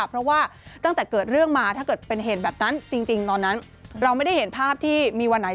เพราะว่าตั้งแต่เกิดเรื่องมาถ้าเกิดเป็นเหตุแบบนั้นจริงตอนนั้นเราไม่ได้เห็นภาพที่มีวันไหน